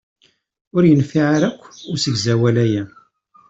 Ur yenfiɛ ara akk usegzawal-ayi.